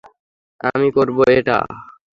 আমি করবো এটা।